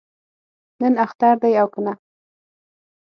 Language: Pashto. نن اختر دی او کنه؟